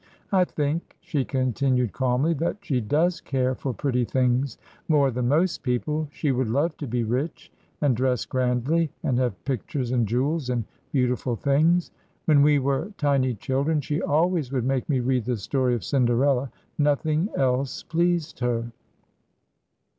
I think," she continued, calmly, "that she does care for pretty things more than most people, she would love to be rich, and dress grandly, and have pictures and jewels and beautiful things. When we were tiny children she always would make me read the story of Cinderella; nothing else pleased her."